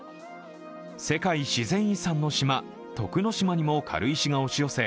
世界自然遺産の島・徳之島にも軽石が押し寄せ